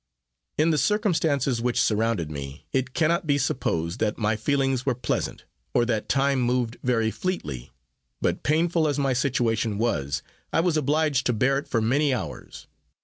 In the circumstances which surrounded me, it cannot be supposed that my feelings were pleasant, or that time moved very fleetly; but painful as my situation was, I was obliged to bear it for many hours.